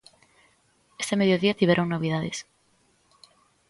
Este mediodía tiveron novidades.